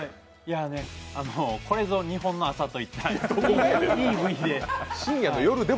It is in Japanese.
これぞ日本の朝といったいいＶで。